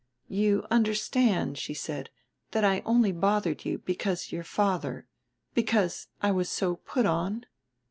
"You understood," she said, "that I only bothered you because your father... because I was so put on?"